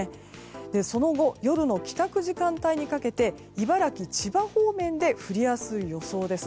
その後、夜の帰宅時間帯にかけて茨城、千葉方面で降りやすい予報です。